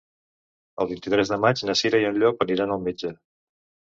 El vint-i-tres de maig na Cira i en Llop aniran al metge.